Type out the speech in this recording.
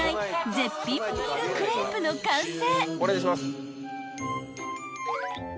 絶品ミルクレープの完成］